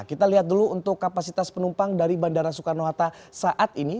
kita lihat dulu untuk kapasitas penumpang dari bandara soekarno hatta saat ini